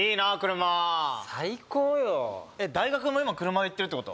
車最高よ大学も今車で行ってるってこと？